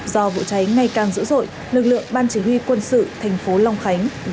do vụ cháy ngày càng dữ dội lực lượng ban chỉ huy quân sự thành phố long khánh